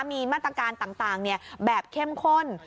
มีมาตรการต่างแบบเข้มข้น